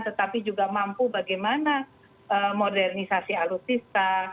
tetapi juga mampu bagaimana modernisasi alutsista